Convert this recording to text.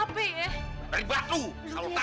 dari batu selalu tau